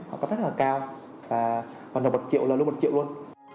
họ gặp rất là cao và ban đầu một triệu là lúc một triệu luôn